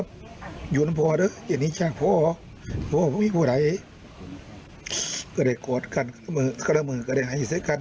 พ่อเพราะว่าผมไม่กลัวใดก็ได้กอดกันกระเมิดก็ได้หายเสียกัน